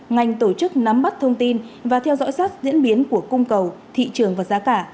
ngành tổ chức nắm bắt thông tin và theo dõi sát diễn biến của cung cầu thị trường và giá cả